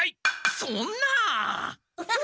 そんな！